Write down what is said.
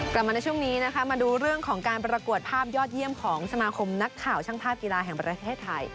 กลับมาในช่วงนี้นะคะมาดูเรื่องของการประกวดภาพยอดเยี่ยมของสมาคมนักข่าวช่างภาพกีฬาแห่งประเทศไทย